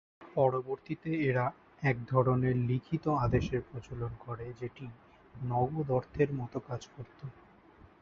পরবর্তীতে এরা এক ধরনের লিখিত আদেশের প্রচলন করে যেটি নগদ অর্থের মত কাজ করত।